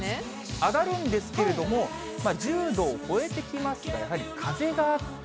上がるんですけれども、１０度を超えてきますが、やはり風があって。